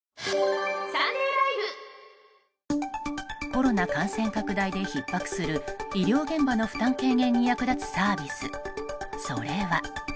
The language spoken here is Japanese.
コロナ感染拡大でひっ迫する医療現場の負担軽減に役立つサービス、それは。